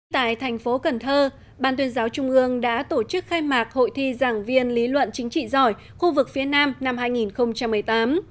tại thành phố cần thơ ban tuyên giáo trung ương đã tổ chức khai mạc hội thi giảng viên lý luận chính trị giỏi khu vực phía nam năm hai nghìn một mươi tám